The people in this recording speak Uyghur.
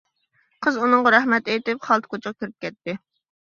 قىز ئۇنىڭغا رەھمەت ئېيتىپ خالتا كوچىغا كىرىپ كەتتى.